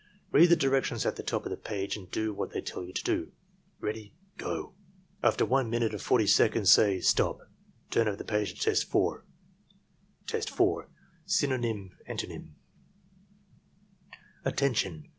Read the directions at the top of the page and do what they tell you to do. — ^Ready — Go!" After 1 minute and 40 seconds, say "STOP! Turn over the page to test 4." Test 4. — Synonjrm— Antonjrm "Attention!